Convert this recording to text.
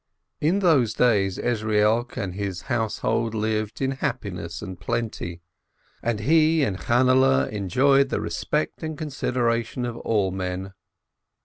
In those days Ezrielk and his household lived in hap piness and plenty, and he and Channehle enjoyed the respect and consideration of all men.